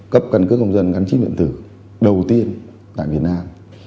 cấp căn cước công dân gắn chip điện tử đầu tiên tại việt nam